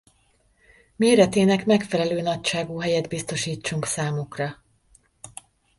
Méretének megfelelő nagyságú helyet biztosítsunk számukra.